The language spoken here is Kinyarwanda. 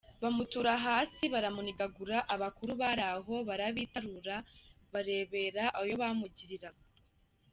Bamutura hasi baramunigagura , abakuru bari aho barabitarura barebera ayo bamugirira.